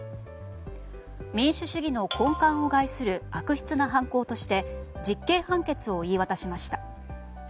民主主義の根幹を害する悪質な犯行として実刑判決を言い渡しました。